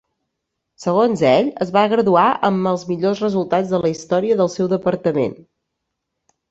Segons ell, es va graduar amb els "millors resultats de la història" del seu departament.